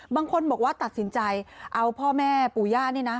บางคนบอกว่าตัดสินใจเอาพ่อแม่ปู่ย่านี่นะ